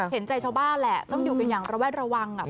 เห็นใจชาวบ้านแหละต้องอยู่กันอย่างระแวดระวังอ่ะ